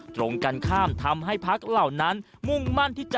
ทรงกันขามทำให้ภาคเหล่านั้นมุ่งมั่นที่จะก้าวข้ามการเอาเปรียบนี้ไปให้ได้